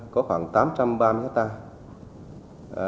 có khoảng tám trăm ba mươi hectare